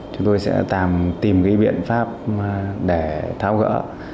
chúng tôi sẽ tìm biện pháp để tháo gỡ